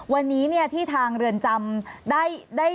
วันนี้ที่ทางเรือนจำได้